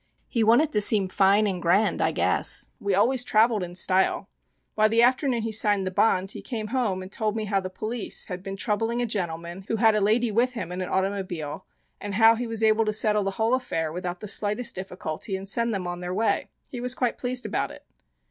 He wanted to seem fine and grand, I guess. We always travelled in style. Why, the afternoon he signed the bond he came home and told me how the police had been troubling a gentleman who had a lady with him in an automobile and how he was able to settle the whole affair without the slightest difficulty and send them on their way. He was quite pleased about it."